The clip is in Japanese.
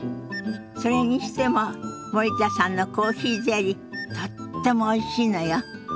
それにしても森田さんのコーヒーゼリーとってもおいしいのよ。